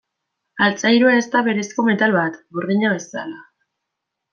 Altzairua ez da berezko metal bat, burdina bezala.